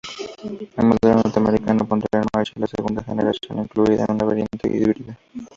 El modelo norteamericano pondrá en marcha la segunda generación, incluida una variante híbrida.